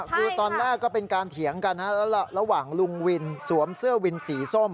คือตอนแรกก็เป็นการเถียงกันระหว่างลุงวินสวมเสื้อวินสีส้ม